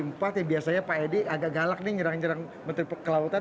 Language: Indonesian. biasanya pak edi agak galak nih nyerang nyerang menteri kelautan